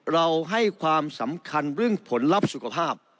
เราให้ความสำคัญเรื่องผลลัพธ์สุขภาพ